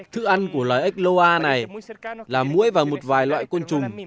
thức ăn của loài ếch loa này là mũi và một vài loại côn trùng